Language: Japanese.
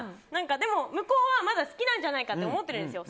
でも、向こうはまだ好きなんじゃないかって思ってるんですよ。